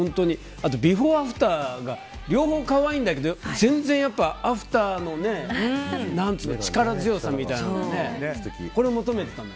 あとビフォーアフターが両方可愛いんだけど全然アフターの力強さみたいなのがね。